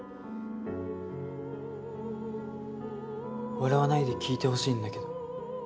笑わないで聞いてほしいんだけど。